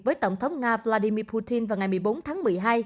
với tổng thống nga vladimir putin vào ngày một mươi bốn tháng một mươi hai